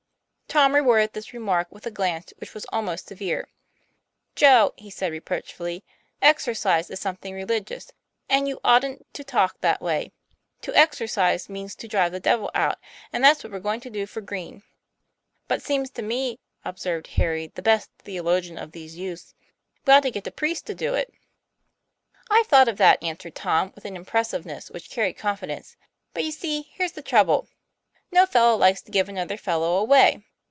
Tom rewarded this remark with a glance which was almost severe. "Joe," he said, reproachfully, "exercise is some thing religious, and you oughtn't to talk that way. To exercise means to drive the devil out, and that's what we're going to do for Green." " But seems to me," observed Harry, the best theo logian of these youths, " we ought to get a priest to do it," TOM PLAYFAIR. 75 "I've thought of that, too," answered Tom, with an impressiveness which carried confidence. ' But you see here's the trouble; no fellow likes to give another fellow away.